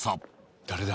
誰だ？